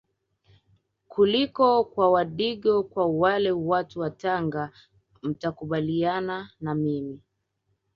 kuliko kwa wadigo kwa wale watu wa Tanga mtakubaliana na mimi